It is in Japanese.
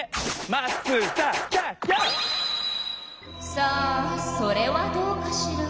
さあそれはどうかしら？